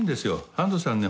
半藤さんね